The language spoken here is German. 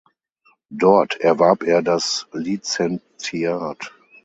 Dort erwarb er das Lizentiat.